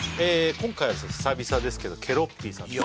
今回は久々ですけどケロッピーさんです